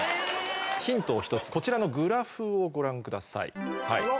ヒントを１つこちらのグラフをご覧ください。